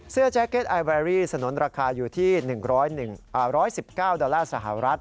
แจ๊เก็ตไอแบรี่สนุนราคาอยู่ที่๑๑๙ดอลลาร์สหรัฐ